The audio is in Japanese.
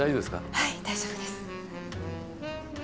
はい大丈夫です。